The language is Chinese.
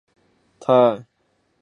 太子长琴亦成为焚寂之剑灵。